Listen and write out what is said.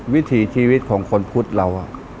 วิถีชีวิตของคนพุทธเรา